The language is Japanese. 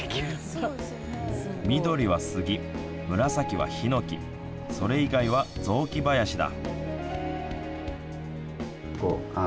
緑は杉、紫はひのきそれ以外は雑木林だ。